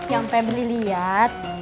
yang pebeli liat